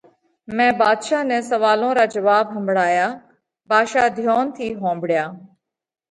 مئين ڀاڌشا نئہ سوئالون را جواٻ ۿمڀۯايا، ڀاڌشا ڌيونَ ٿِي ۿومڀۯيا۔